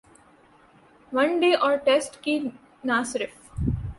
one day اور test کی نہ صرف